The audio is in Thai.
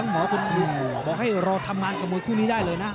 บอกให้รอทำบ้านกับมวยคู่นี้ได้เลยนะ